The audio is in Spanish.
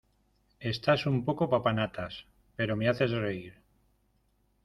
Estás un poco papanatas, pero me haces reír.